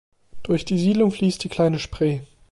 Durch die Siedlung fließt die Kleine Spree.